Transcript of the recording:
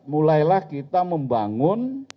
mulailah kita membangun